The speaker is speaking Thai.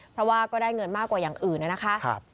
เพราะว่าก็ได้เงินมากกว่าอย่างอื่นนะคะ